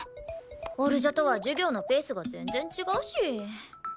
オル女とは授業のペースが全然違うし。